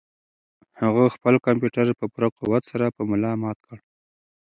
هغه خپل کمپیوټر په پوره قوت سره په ملا مات کړ.